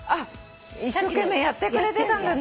一生懸命やってくれてたんだね。